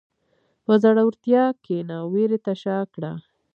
په زړورتیا کښېنه، وېرې ته شا کړه.